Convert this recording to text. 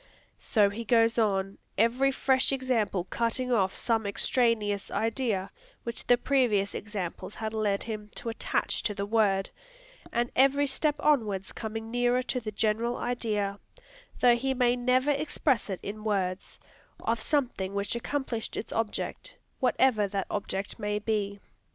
So he goes on, every fresh example cutting off some extraneous idea which the previous examples had led him to attach to the word, and every step onward coming nearer to the general idea, though he may never express it in words, of something which accomplished its object, whatever that object may be.